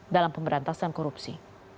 dalam pemberantasan korupsi